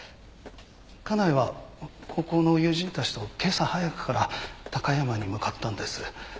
家内は高校の友人たちと今朝早くから高山に向かったんです。